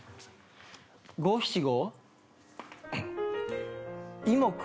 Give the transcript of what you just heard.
五七五？